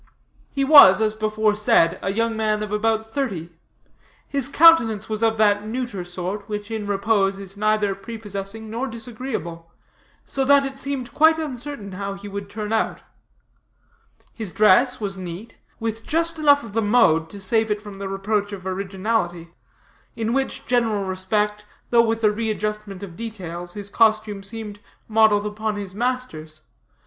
He was, as before said, a young man of about thirty. His countenance of that neuter sort, which, in repose, is neither prepossessing nor disagreeable; so that it seemed quite uncertain how he would turn out. His dress was neat, with just enough of the mode to save it from the reproach of originality; in which general respect, though with a readjustment of details, his costume seemed modeled upon his master's.